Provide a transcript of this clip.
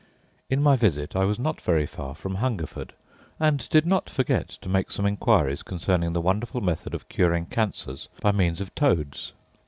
In my visit I was not very far from Hungerford, and did not forget to make some inquiries concerning the wonderful method of curing cancers by means of toads.